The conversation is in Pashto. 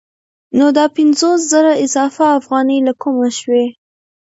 نو دا پنځوس زره اضافي افغانۍ له کومه شوې